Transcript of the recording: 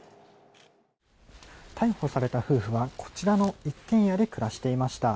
逮捕された夫婦はこちらの一軒家で暮らしていました。